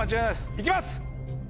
行きます！